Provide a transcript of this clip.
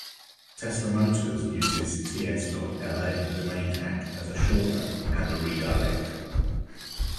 Tesla Motors uses "ts.la" domain hack as a shortener and a redirect.